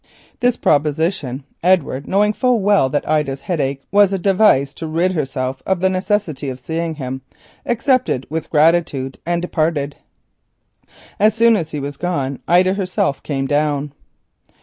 This proposition Edward, knowing full well that Ida's headache was a device to rid herself of the necessity of seeing him, accepted with gratitude and went. As soon as he had gone, Ida herself came down.